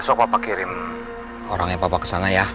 besok papa kirim orangnya papa kesana ya